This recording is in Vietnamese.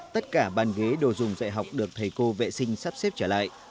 tất cả bàn ghế đồ dùng dạy học được thầy cô vệ sinh sắp xếp trở lại